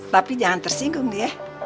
tapi jangan tersinggung di ya